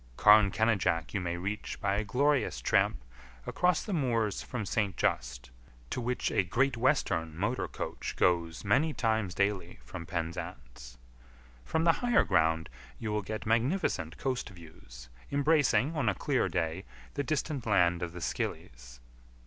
Carn Kenidjack you may reach by a glorious tramp across the moors from St. Just, to which a Great Western motor coach goes many times daily from Penzance. From the higher ground you will get magnificent coast views, embracing, on a clear day, the distant land of the Scillies.